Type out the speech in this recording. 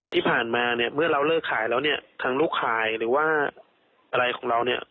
ที่ผ่านมาเนี่ยเมื่อเราเลิกขายแล้วเนี่ยทางลูกขายหรือว่าอะไรของเราเนี่ย